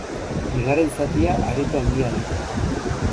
Bigarren zatia areto handia da.